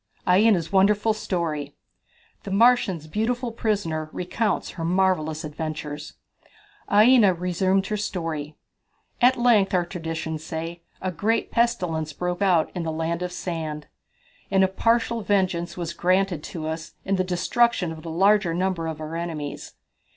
Aina's Wonderful Story. The Martians' Beautiful Prisoner Recounts Her Marvellous Adventures. Aina resumed her story. "At length, our traditions say, a great pestilence broke out in the Land of Sand, and a partial vengeance was granted to us in the destruction of the larger number of our enemies.